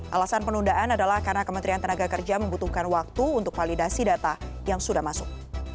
alasan penundaan adalah karena kementerian tenaga kerja membutuhkan waktu untuk validasi data yang sudah masuk